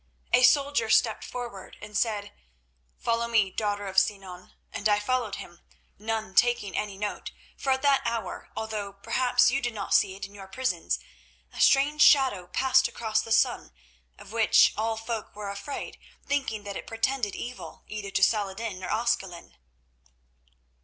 A soldier stepped forward and said, 'Follow me, daughter of Sinan,' and I followed him, none taking any note, for at that hour, although perhaps you did not see it in your prisons, a strange shadow passed across the sun, of which all folk were afraid, thinking that it portended evil, either to Saladin or Ascalon.